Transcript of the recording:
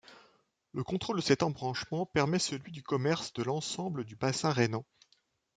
Le contrôle de cet embranchement permet celui du commerce de l'ensemble du bassin rhénan.